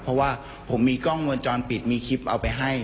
เพราะว่าผมมีกล้องวงจรปิดมีคลิปเอาไปให้